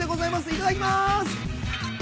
いただきます！